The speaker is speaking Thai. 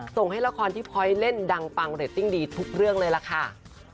ส่งให้ละครที่พลอยเล่นดังปังเรตติ้งดีทุกเรื่องเลยล่ะค่ะ